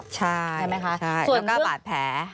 ใช่แล้วก็บาดแผล